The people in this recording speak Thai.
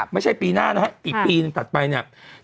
ไม่ใช่ปีหน้าเนอะครับปีนึงตัดไปเนี่ย